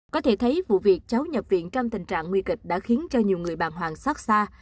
có thể thấy vụ việc cháu nhập viện trong tình trạng nguy kịch đã khiến cho nhiều người bàng hoàng xót xa